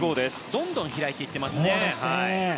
どんどん開いていますね。